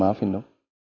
mas ini dia